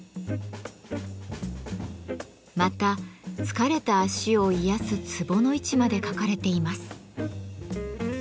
また疲れた足を癒やすツボの位置まで書かれています。